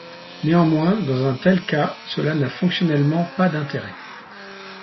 Néanmoins, dans un tel cas, cela n'a fonctionnellement pas d'intérêt.